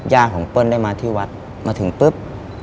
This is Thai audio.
ย่าของเปิ้ลได้มาที่วัดมาถึงปุ๊บ